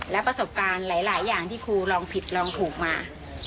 และประสบการณ์หลายอย่างที่ครูลองผิดลองถูกมา